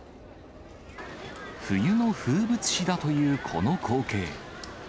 冬の風物詩だというこの光景。